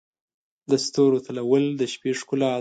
د ستورو تلؤل د شپې ښکلا ده.